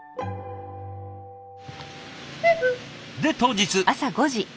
で当日。